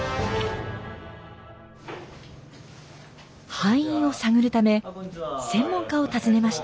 敗因を探るため専門家を訪ねました。